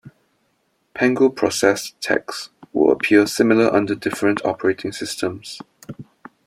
Pango-processed text will appear similar under different operating systems.